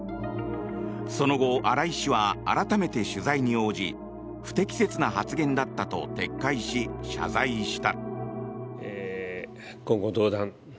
その後、荒井氏は改めて取材に応じ不適切な発言だったと撤回し謝罪した。